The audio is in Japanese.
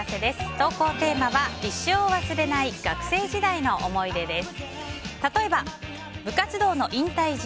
投稿テーマは、一生忘れない学生時代の思い出です。